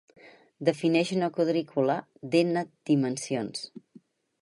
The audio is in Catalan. Defineix una quadrícula d'"n" dimensions.